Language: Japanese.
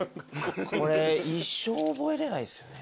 これ一生覚えれないっすよね。